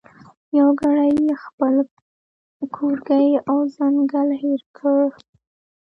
یو ګړی یې خپل کورګی او ځنګل هېر کړ